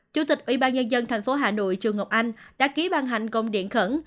chủ tịch ủy ban nhân dân thành phố hà nội trương ngọc anh đã ký ban hành công điện khẩn